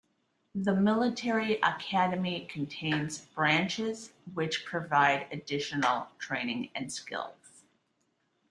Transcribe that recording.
The Military Academy contains branches, which provide additional training and skills.